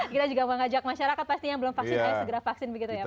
kita juga mengajak masyarakat pasti yang belum vaksinnya segera vaksin begitu ya pak